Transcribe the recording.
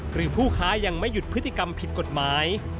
หรือผู้ค้ายังไม่หยุดพฤติกรรมผิดกฎหมาย